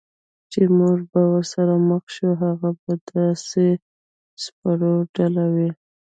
چې موږ به ورسره مخ شو، هغه به د اس سپرو ډله وي.